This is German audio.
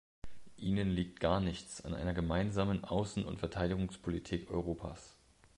Ihnen liegt gar nichts an einer gemeinsamen Außen- und Verteidigungspolitik Europas.